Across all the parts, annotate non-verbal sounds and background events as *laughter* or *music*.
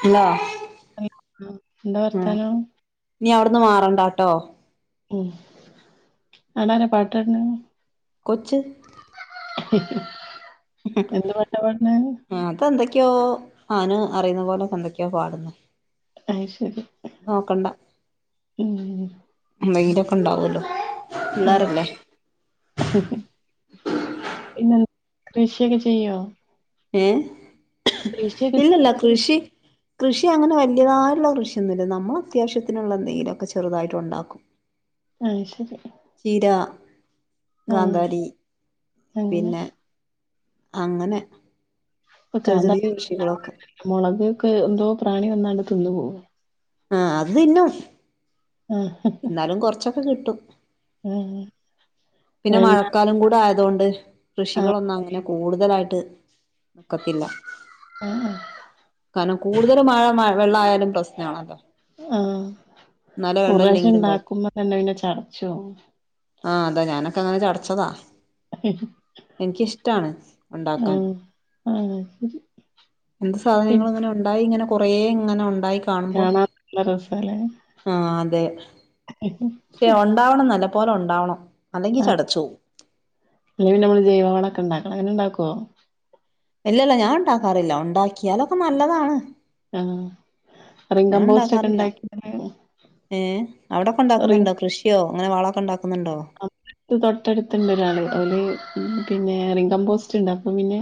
Hello *unintelligible* എന്താ വർത്താനോം ഇനി അവ്ട്ന്ന് മാറണ്ടാട്ടോ മ് അവടാര പാട്ടാട്ണ്? കൊച്ച് എന്ത് പാട്ടാ പാട്ണ്? ആഹ് അതെന്തൊക്കെയോ അയ്ന് അറിയുന്ന പോലെന്തൊക്കെയോ പാടുന്ന് അത് ശരി നോക്കണ്ട ഉം എന്തെങ്കിലൊക്കെ ഇണ്ടാവല്ലോ പിള്ളാരല്ലേ പിന്നെന്താ കൃഷിയൊക്കെ ചെയ്യോ ഏഹ് കൃഷിയൊക്കെ ഇല്ലല്ല ചെയ്യോ കൃഷി കൃഷി അങ്ങനെ വല്ല്യതായിട്ട്ള്ള കൃഷിയൊന്നുല്ല നമ്മള അത്യാവശ്യത്തിനുള്ള എന്തെങ്കിലൊക്കെ ചെറുതായിട്ട് ഉണ്ടാക്കും അഹ്ത്ശരി ചീര, കാന്താരി അങ്ങനെ പിന്നെ അങ്ങനെ ഇപ്പൊ ചെറിയ ചെറിയ കാന്താരി ഒന്നും കൃഷികളൊക്കെ ഇണ്ടാവ്ണെന്നെല്ല മൊളകൊക്കെ എന്തോ പ്രാണി വന്നാണ്ട് തിന്നു പോവും ആഹ് അത് തിന്നും ആഹ് ന്നാലും കൊറച്ചൊക്കെ കിട്ടും ആഹ് പിന്നെ *unintelligible* മഴക്കാലം കൂടെ ആയതോണ്ട് കൃഷികളൊന്നും അങ്ങനെ കൂട്തലായിട്ട് ഒക്കത്തില്ല ഉം ഉം കാരണം കൂടുതല് മഴ മ വെള്ളായാലും പ്രശ്നാണല്ലോ ആഹ് എന്നാലെ ഒരു വെള്ളം പ്രാവശ്യം ഇല്ലെങ്കിലും കൊഴപ്പ ഇണ്ടാക്കുമ്പോ തന്നെ പിന്നെ ചടച്ചുപോവും ആഹ് അതാ ഞാനൊക്കങ്ങനെ ചടച്ചതാ എനിക്കിഷ്ടാണ് ആ ഉണ്ടാക്കാൻ ആ എന്ത് ഉം. സാധനങ്ങളും ഇങ്ങനെ ഉണ്ടായി ഇങ്ങനെ കൊറേ ഇങ്ങനെ ഉണ്ടായി കാണുമ്പം കാണാൻ നല്ല രസാല്ലേ ആഹ് അതെ പക്ഷെ ഒണ്ടാവണം നല്ലപോലെ ഒണ്ടാവണം അല്ലെങ്കി ചടച്ചോവും അല്ലെങ്കി പിന്നമ്മള് ജൈവ വളൊക്കെ ഇണ്ടാക്കണം അങ്ങനെ ഇണ്ടാക്കോ ഇല്ലല്ല ഞാൻ ഉണ്ടാക്കാറില്ല ഉണ്ടാക്കിയാലൊക്കെ നല്ലതാണ് ആഹ് ഞാൻ റിംകമ്പോസ്റ്റ് ഒക്കെ ഇണ്ടാക്കാറില്ല ഉണ്ടാക്കി ഏഹ് അവിടൊക്കെ റി ഉണ്ടാക്കുന്നുണ്ടോ കൃഷി യോ അങ്ങനെ വളൊക്കെ ഉണ്ടാക്കുന്ന്ണ്ടോ? അ തൊട്ടടുത്ത്ണ്ടൊരാള് ഓല് പിന്നെ റിംകമ്പോസ്റ്റ് ഇണ്ടാക്കും പിന്നെ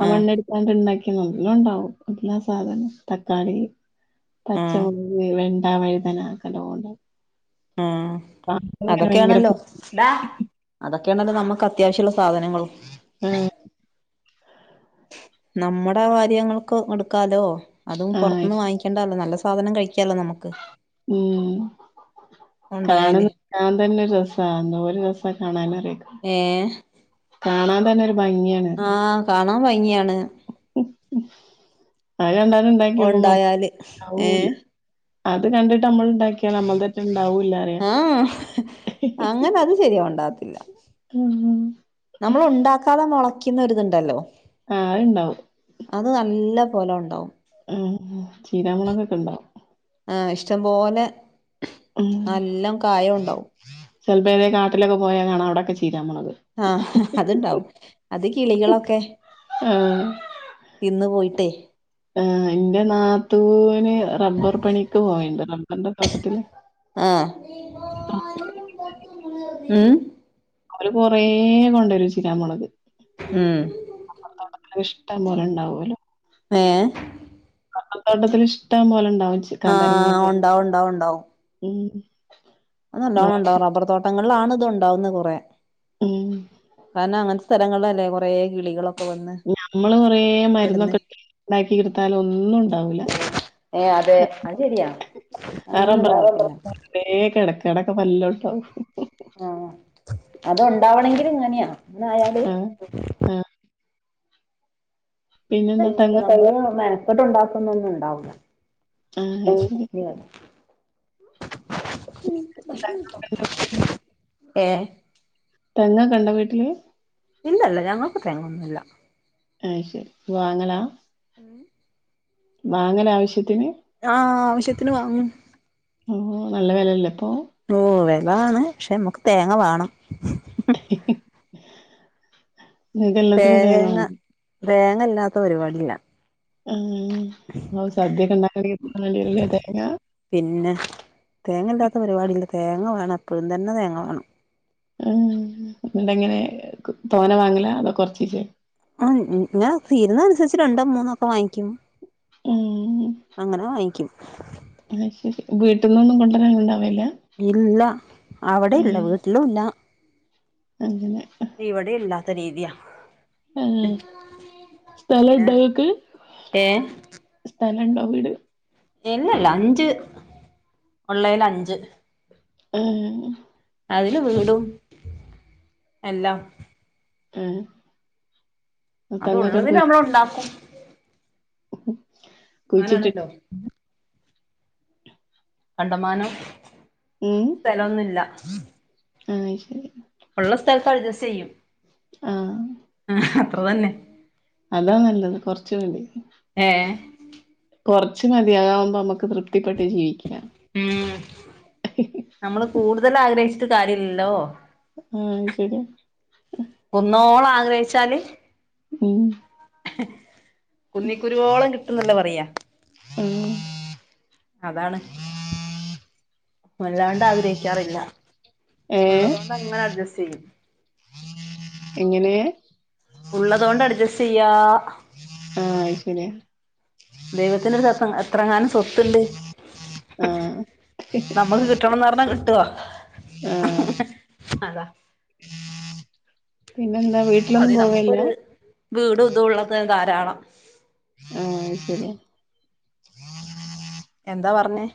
ആ ആഹ് മണ്ണ് എടുത്താണ്ട് ഇണ്ടാക്കിയ നല്ലോം ഇണ്ടാവും എല്ലാ സാധനോം തക്കാളി, ആഹ് പച്ചമുളക്, വെണ്ട, വഴുതന അതൊക്കെ നല്ലോം ഇണ്ടാകും. ആഹ് അതൊക്കെയാണല്ലോ പൂ അതൊക്കെയാണല്ലോ നമുക്ക് അത്യാവശ്യള്ള സാധനങ്ങളും ആഹ് നമ്മുടെ കാര്യങ്ങൾക്ക് ഇട്ക്കാലോ അതും ആഹ് പൊറത്തുന്ന് വാങ്ങിക്കാണ്ടല്ലോ നല്ല സാ സാധനം കഴിക്കാലോ നമുക്ക് കാണു ഉണ്ടായാല് കാണാൻ തന്നെ ഒരു രസ എന്തോരു രസ കാണാനറിയോ ഏഹ് കാണാൻ തന്നെ ഒരു ഭംഗിയാണ്. അറിയോ ആഹ് കാണാൻ ഭംഗിയാണ്. അത് കണ്ടാണ്ട് ഇണ്ടാക്കിയോക്കുമ്പോ ഉണ്ടായാല് ഇണ്ടാവൂല്ല. ഏഹ് അത് കണ്ടിട്ട് നമ്മള് ഇണ്ടാക്കിയ നമ്മൾതൊട്ട് ഇണ്ടാവൂല്ലാറയ. ആഹ് അങ്ങനെ അത് ശരിയ ഓണ്ടാവത്തില്ല ഉം നമ്മള് ഉണ്ടാക്കാതെ മൊളയ്ക്കിന്ന ഒരുതുണ്ടല്ലോ ആഹ് അത്ണ്ടാവും അത് നല്ല പോലെ ഒണ്ടാവും ഉം ചീരാമൊളകൊക്കെ ണ്ടാവും ആഹ് ഇഷ്ട്ടം പോലെ നല്ലോം കായ ഉണ്ടാവും ചെല്പ്പോ ഇങ്ങനെ കാട്ടിലൊക്കെ പോയക്കാണ അവടെക്കെ ചീരാമൊളക് ആഹ് അത്ണ്ടാവും അത് കിളികളൊക്കെ ആഹ് തിന്ന് പോയിട്ടേയ് ആഹ് ന്റെ നാത്തൂന് റബ്ബർ പണിക്ക് പോയിണ്ട് റബ്ബർന്റെ തോട്ടത്തില് ആഹ് ഉം ഓല് കൊറേ കൊണ്ടരും ചിരാ മൊളക് ഉം റബ്ബർ തോട്ടത്തിൽ ഇഷ്ടം പോലെ ഉണ്ടാവോലോ ഏഹ് ബ്ബർത്തോട്ടത്തില് ഇഷ്ടം പോലെണ്ടാവും ചെ ആഹ് ഒണ്ടാവും ഒണ്ടാവും ണ്ടാവും ഉം അത് നല്ലോണം ഉണ്ടാവും റബ്ബർ തോട്ടങ്ങൾലാണ് ഇത് ഉണ്ടാവുന്നത് കൊറെ ഉം കാരണം അങ്ങൻത്തെ സ്ഥലങ്ങൾലല്ലേ കോറേ കിളികളൊ നമ്മള് കൊറെ മര്ന്നൊക്കെ ഉണ്ടാക്കിട്ത്താലും ഒന്നും ഉണ്ടാവുല ഏഹ് അതെ അത് ശെരിയാ അങ്ങനെന്നും ഇണ്ടാവുല തേ കെടെ കെടൊക്ക് വല്ലോം ണ്ടാവും ആഹ് അത് ഓണ്ടാവണെങ്കിൽ ങ്ങനെയാ നെ ആയാൽ ആഹ് ആഹ് പിന്നെന്താ തെങ്ങ് *unintelligible* മേനേക്കട്ട് ണ്ടാക്കുന്നൊന്നും ഉണ്ടാവുല്ല ആഹ് ശരി *unintelligible* ഏഹ് തെങ്ങകെ ഇണ്ടോ വീട്ടില് ഇല്ലല്ല ഞങ്ങക്ക് തേങ്ങോന്നും ഇല്ല ആയ്യ് ശരി വാങ്ങലാ ഉമ് വാങ്ങല ആവിശ്യത്തിന് ആഹ് ആവശ്യത്തിന് വാങ്ങും ഓഹ് നല്ല വെലല്ലെ പ്പൊ ഓഹ് വെലാണ് ക്ഷെ നമക്ക് തേങ്ങ വാണം ഹി ഹി ഹ് തേങ്ങ തേങ്ങല്ലാത്ത പാടില്ല ആഹ് സദ്യകെ ഇണ്ടാക്കണ്ണെങ്കിൽ *unintelligible* വേണ്ടി വരുല്ലേ തേങ്ങ പിന്നെ തേങ്ങല്ലാത്ത പരിപാടില്ല തേങ്ങ വേണം എപ്പോഴും തന്നെ തേങ്ങ വാണം ഉമ് ണ്ടങ്കിൽ തോന വാങ്ങല അതോ കൊർച്ചിചെ ആഹ് ങ്ങന തീര്ന്നന്സരിച്ച് രണ്ടോ മൂന്നൊക്കെ വാങ്ങിക്കും ഉം അങ്ങനെ വാങ്ങിക്കും ആഹ് ശരി വീട്ട്ന്നൊന്നും കൊണ്ടരാൻ ണ്ടാവല്ല ഇല്ല അവടെ ഇല്ല വീട്ടിലു ഇല്ല അങ്ങനെ ഇവടെ ഇല്ലാത്ത രീതിയാ ആഹ് പിന്നെ സ്ഥലണ്ടോ ങ്ങക്ക് സ്ഥലണ്ടോ വീട് ഇല്ലല്ല അഞ്ച് ഉളെൽ അഞ്ച് ഉമ് അതില് വീടും എല്ലാം ഉമ് അത് ഒള്ളതില നമ്മള് ഒണ്ടാക്കും ഉമ് ഉമ് അങ്ങനാണല്ലോ കണ്ടമാനം ഉമ് സ്ഥലൊന്നുല്ല ആഹ് അയ് ശരി ഒള്ള സ്ഥലത്ത് അഡ്ജസ്റ്റ് ചെയ്യും ആഹ് ആഹ് അത്ര തന്നെ അതാ നല്ലത് കൊർച്ചു വേണ്ടി ഏഹ് കൊറച്ച് മതി അതാകുമ്പോ നമ്മക്ക് തൃപ്തി പ്പെട്ട് ജീവിക്കാം ഉമ് നമ്മള് കൂടുതൽ ആഗ്രഹിച്ചിട്ട് കാര്യല്ല ല്ലോ ഉമ് ശരിയാ കുന്നോളം ആഗ്രഹിച്ചാല് ഉമ് കുന്നി ക്കുരുവോളം കിട്ടുംന്നല്ലേ പറയാ ആഹ് അതാണ് വല്ലാണ്ട് ആഗ്രഹിക്കാറില്ല ഏഹ് ഉള്ളതൊണ്ട് അങ്ങനെ അട്ജസ്റ്റ് യ്യും എങ്ങനെ ഉള്ളതൊണ്ട് അഡ്ജസ്റ്റ് ചെയ്യാ അയ് ശരിയ ദൈവത്തിന്റടുത്തെത്തും എത്രെങ്ങാനും സ്വത്ത്ണ്ട് ആഹ് നമ്മക്ക് കിട്ടണംന്ന് പറഞ്ഞാ കിട്ടോ ആഹ് അതാ പിന്നെന്താ വീട് അതെ നമുക്കൊരു വീട് ഇതൊള്ളത് ധാരാളം അത് ശരിയാ എന്താ പറഞ്ഞേ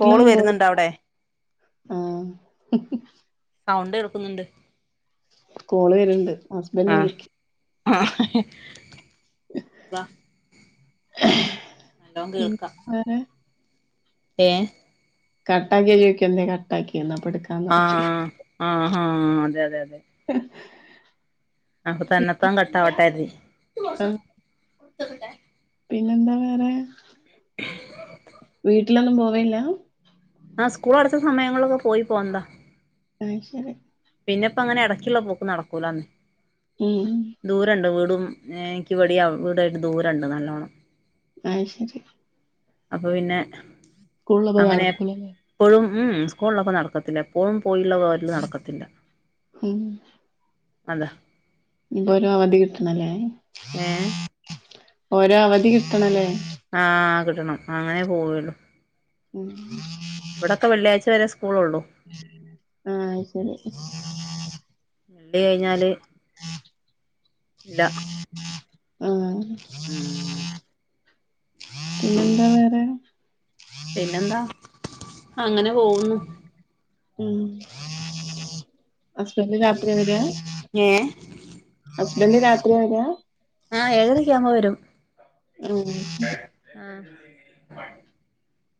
കോള് പോകു വരുന്നുണ്ടോ അവിടെ ആഹ് സൗണ്ട് കേൾക്കുന്നുണ്ട് കോള് വരണ് ണ്ട് ഹസ്ബൻഡ് വിളിക്ക ആഹ് വാ *inaudible* ഏഹ് കട്ടാക്കിയാ ചോദിക്കും എന്തേ കട്ടാക്കിയേന്ന് അപ്പെടുക്കും ആഹ് ആഹ് ആഹാ അതെ അതെ അതെ ഉം അപ്പൊ തന്നെത്താൻ കട്ടാവട്ടെ അത് ഉം *inaudible* പിന്നെന്താ വേറെ വീട്ടിലൊന്നും പോവേയില്ലാ ആഹ് സ്കൂളടച്ച സമയങ്ങളൊക്കെ പോയി പോന്നതാ അത് ശരി പിന്നെപ്പൊ അങ്ങനെ ഇടയ്ക്കുള്ള പോക്ക് നടക്കൂലാന്ന് ഉം ഉം ദൂരണ്ട് വീടും എനിക്ക് ഇവടേം അവിടേം ആയിട്ട് ദൂരണ്ട് നല്ലോണം ആഹ്ശരി. അപ്പൊ പിന്നെ സ്കൂളുളളപ്പോ അങ്ങനെ നടക്കൂലല്ലേ. എപ്പോഴും ഉം ഉം സ്കൂൾ ഉള്ളപ്പോ നടക്കത്തില്ല എപ്പോഴും പോയിള്ള പോരല് നടക്കത്തില്ല. ഉം അതാ ഇനി ഇപ്പോ ഒരു അവധി കിട്ടണല്ലേ. ഏഹ് ഒരവധി കിട്ടണല്ലേ. ആഹ് കിട്ടണം അങ്ങനെ പോവുളളു. *inaudible* ഇവിടെക്കെ വെള്ളിയാഴ്ച്ച വരെ സ്ക്കൂ ആഹ് അയ്ശരി. ള്ളി കഴിഞ്ഞാല് ഇല്ല. ആഹ്. ഉം. പിന്നെന്താ വേറെ. പിന്നെന്താ അങ്ങനെ പോകുന്നു. ഉം, ഹസ്ബൻഡ് രാത്രിയാ വര്യാ. ഏഹ് ഹസ്ബന്റ് രാത്രിയാ വര്യാ ആഹ് ഏഴരയൊക്കെ ആവുമ്പ വരും ഉം ആഹ്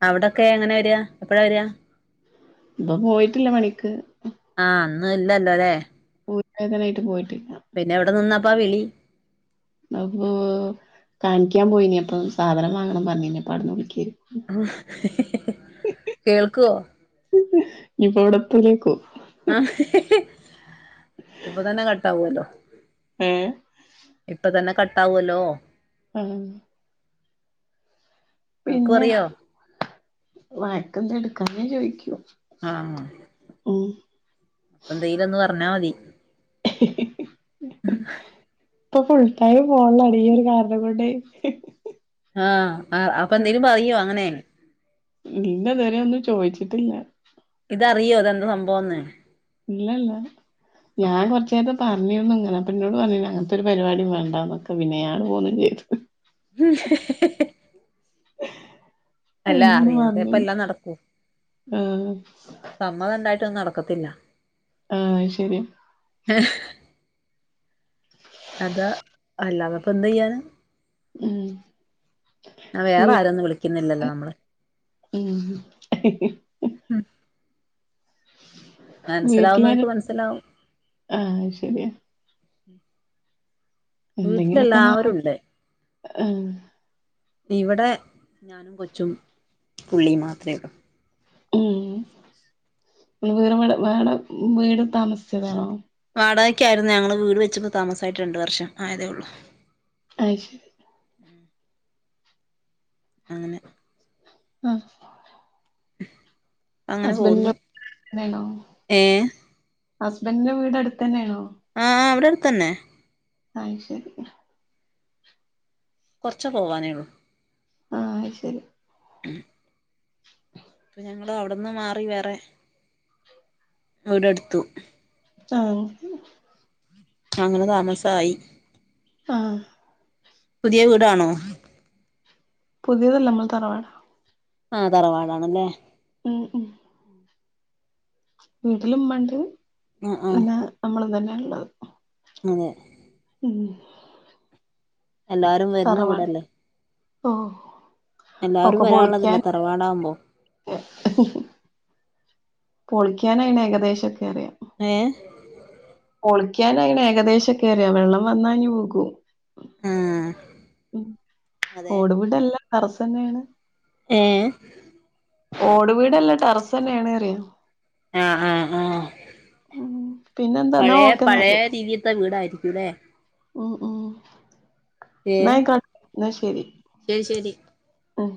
അവിടൊക്കെ എങ്ങനെയാ വരിക എപ്പഴാ വരിക. ഇപ്പോ പോയിട്ടില്ല പണിക്ക്. ആഹ് ഇന്ന് ഇല്ലല്ലോ അല്ലേ. *inaudible* പോയിട്ടില്ല പിന്നെ എവിടെ നിന്നപ്പാ വിളി. അപ്പോ കാണിക്കാൻ പോയിനീ അപ്പോ സാധനം വാങ്ങണം പറഞ്ഞിനി അപ്പവുടന്ന് വിളിക്ക. കേൾക്കോ. ഇഞ്ഞ് ഇപ്പോവിടത്തുലേക്കു. ആഹ് ഇതിപ്പോ തന്നെ കട്ടാവല്ലോ. എ ഇപ്പ തന്നെ കട്ടാവുവല്ലോ. ഉം ആൾക്കും പിന്നെ അറിയോ വഴക്കം എന്ത എടുക്കാഞ്ഞത് ചോയിക്കോ ആഹ് ഉം. എന്തയിലും ഒന്ന് പറഞ്ഞാ മതി. ഇപ്പോ ഫുൾ ടൈം ഫോണിലാണ് ഈ ഒരു കാരണം കൊണ്ട്. ആഹ് അപ്പൊ എന്തേലും പറയോ അങ്ങനെ. ഇന്ന് വരെ ഒന്നും ചോദിച്ചിട്ടില്ല. ഇതറിയോ ഇതെന്താ സംഭവന്ന്. ഇല്ലല്ല. ഞാൻ കുറച്ച് നേരത്തെ പറഞ്ഞിരുന്നു ഇങ്ങനെ അപ്പോ ഇന്നോട് പറഞ്ഞിരുന്നു അങ്ങനത്തെ ഒരു പരിപാടി വേണ്ടന്നൊക്കെ പിന്നെ ഞാൻ ഇങ്ങോട്ട് പോന്നും ചെയ്തു. *inaudible* *inaudible* *inaudible* അല്ല അയിനൊന്നും അറിയാതെ ഇപ്പ പറഞ്ഞില്ല എല്ലാം നടക്കൂ ആഹ് സമ്മതണ്ടായിട്ടൊന്നും നടക്കത്തില്ല. ആഹ് ശരിയാ. *inaudible* അതാ അല്ലാതപ്പോ എന്ത് ചെയ്യാനാ. ഉം ആഹ് വേറെ വീ- ആരൊന്നും വിളിക്കുന്നില്ലല്ലോ നമ്മള് ഉം മനസ്സിലാവുന്നവർക്ക് വീട്ടിലാരും മനസിലാവും ആ ശരിയാ എന്തെങ്കിലുമൊക്കെ ഒന്ന് ആവട്ടെ വീട്ടിലെല്ലാവരുണ്ട് ആ. ഇവിടെ ഞാനും കൊച്ചും പുള്ളി മാത്രേ ഉള്ളൂ ഉം വറെടെ വേടെ വീട് താമസിച്ചതാണോ വാടകയ്ക്ക് ആയിരുന്നു ഞങ്ങള് വീട് വച്ചപ്പോ താമസമായിട്ട് രണ്ട് വർഷം ആയതേ ഉള്ളൂ അയ്ശരി അങ്ങനെ ആഹ് അങ്ങനെ പോകുന്നു ഹസ്ബൻഡിന്റെ വീട് ഏ ഹസ്ബൻഡറിന്റെ വീട് അടുത്ത് തന്നെയാണോ ആഹ് അവിടെ അടുത്തന്നെ അയ്ശരി കുറച്ച് പോവാനേള്ളൂ ആഹ് ശരി *unintelligible* ഇപ്പൊ ഞങ്ങ അവിടെന്ന് മാറി വേറെ വീടെടുത്തു ആഹ് അങ്ങനെ താമസായി ആഹ് പുതിയ വീടാണോ പുതിയതല്ലമ്മൾ തറവാണ് ആഹ തറവാടാണല്ലേ ഉം ഉം വീട്ടില് മ്മണ്ട് ആ ആ നമ്മൾ തന്നെയാഉള്ളത് അതെ ഉം എല്ലാരും വരുന്ന തറവാട് വീടല്ലേ ഓഹ് എല്ലാവാരും വരാനുള്ളതല്ലെ തറവാടാവുമ്പോ പൊളിക്കാനയിന് ഏകദേശക്കെ അറിയാം ഏ പൊളിക്കാൻ ആയീണ് ഏകദേശക്കെറിയാം വെള്ളം വന്നാൽഇഞ് വികും ആഹ ഉ ഓടുവീടല്ല ട്ടെ റസ്ന്നെയാണ് ഏ ഓട് വീടല്ലാ ടെറസ്ന്നെയാണ് പറയാ ആഹ ആഹ ആഹ ഉം പിന്നെന്താ ഇന്നാ പഴയ ഓക്കെ പഴയ രീതിത്തെ വീടായിരിക്കുംല്ലെ ഓ ഓ ഏ നാഅയി കാ എന്നാ ശരി ശരി ശരി ആഹ